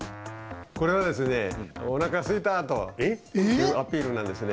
これはですね「おなかすいた」というアピールなんですね。